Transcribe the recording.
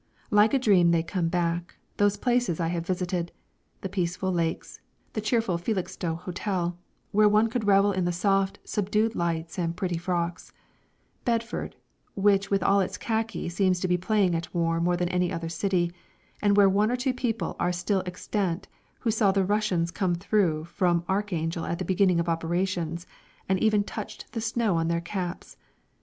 Like a dream they come back, those places I have visited the peaceful Lakes; the cheerful Felixstowe hotel, where one could revel in the soft, subdued lights and pretty frocks; Bedford, which with all its khaki seems to be playing at war more than any other city, and where one or two people are still extant who saw the Russians come through from Archangel at the beginning of operations, and even touched the snow on their caps!